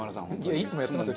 いつもやってますよ